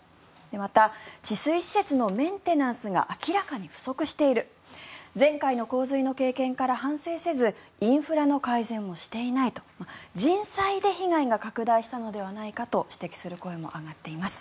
また、治水施設のメンテナンスが明らかに不足している前回の洪水の経験から反省せずインフラの改善もしていないと人災で被害が拡大したのではないかと指摘する声も上がっています。